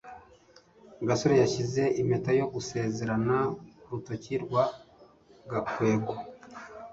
gasore yashyize impeta yo gusezerana kurutoki rwa gakwego